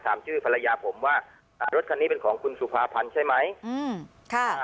ชื่อภรรยาผมว่าอ่ารถคันนี้เป็นของคุณสุภาพันธ์ใช่ไหมอืมค่ะ